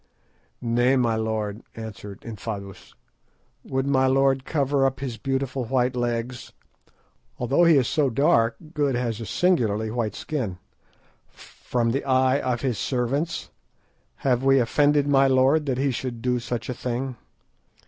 "Nay, my lord," answered Infadoos, "would my lord cover up his beautiful white legs (although he is so dark Good has a singularly white skin) from the eyes of his servants? Have we offended my lord that he should do such a thing?"